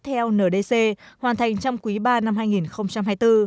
theo ndc hoàn thành trong quý ba năm hai nghìn hai mươi bốn